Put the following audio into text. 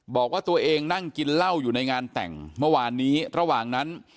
บอกว่าตัวเองนั่งกินเหล้าอยู่ในงานแต่งเมื่อวานนี้ระหว่างนั้น